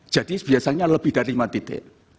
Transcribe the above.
jadi biasanya lebih dari lima titik